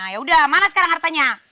yaudah mana sekarang hartanya